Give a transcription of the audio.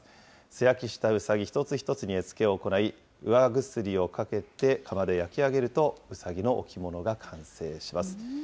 素焼きしたうさぎ一つ一つに絵付けを行い、釉薬をかけて窯で焼き上げると、うさぎの置物が完成します。